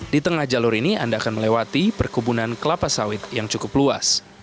di tengah jalur ini anda akan melewati perkebunan kelapa sawit yang cukup luas